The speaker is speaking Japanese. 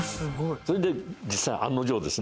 それで実際案の定ですね